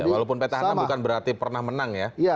walaupun petahana bukan berarti pernah menang ya